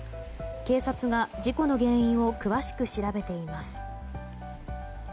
警察が事故の原因を詳しく調べています。